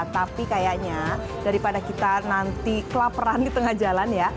tapi kayaknya daripada kita nanti kelaperan di tengah jalan ya